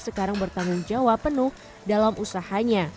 sekarang bertanggung jawab penuh dalam usahanya